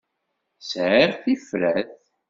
Sɛiɣ tifrat.